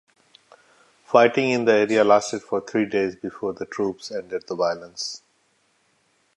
Fighting in the area lasted for three days before the troops ended the violence.